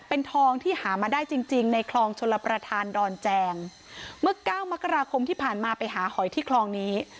เป็นทองที่หามาได้จริงจริงในคลองชลประธานดอนแจงเมื่อเก้ามกราคมที่ผ่านมาไปหาหอยที่คลองนี้